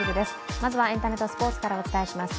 まずはエンタメとスポーツからお伝えします。